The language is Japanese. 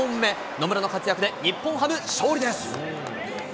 野村の活躍で日本ハム、勝利です。